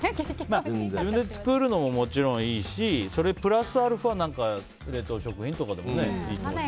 自分で作るのももちろんいいしそれプラスアルファ冷凍食品とかでもいいと思う。